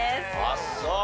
あっそう。